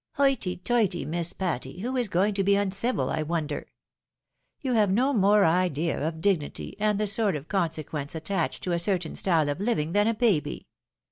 " Hoity toity. Miss Patty ! who is going to be uncivil, I wonder ? You have no more idea of dignity, and the sort of consequence attached to a certain style of hving, than a baby.